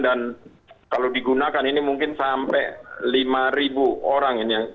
dan kalau digunakan ini mungkin sampai lima ribu orang ini